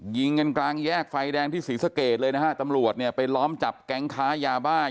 ยิงกันกลางแยกไฟแดงที่ศรีสะเกดเลยนะฮะตำรวจเนี่ยไปล้อมจับแก๊งค้ายาบ้า